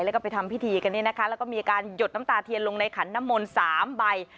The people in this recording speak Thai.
แล้วก็ไปทำพิธีกันเนี่ยนะคะแล้วก็มีการหยดน้ำตาเทียนลงในขันน้ำมนต์๓ใบ